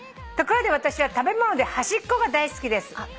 「ところで私は食べ物で端っこが大好きです」